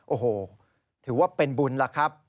โอ้โหถือว่าเป็นบุญล่ะครับ